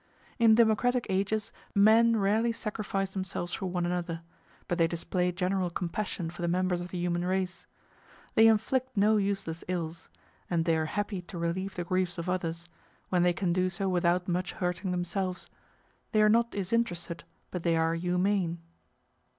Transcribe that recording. In democratic ages men rarely sacrifice themselves for one another; but they display general compassion for the members of the human race. They inflict no useless ills; and they are happy to relieve the griefs of others, when they can do so without much hurting themselves; they are not disinterested, but they are humane.